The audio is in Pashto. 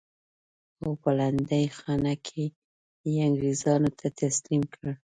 او په لنډۍ خانه کې یې انګرېزانو ته تسلیم کړل.